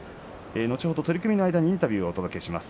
後ほど取組の間にインタビューをお届けします。